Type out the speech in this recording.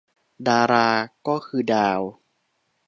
ดาราก็คือดาว